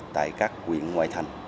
tại các quyền ngoại thành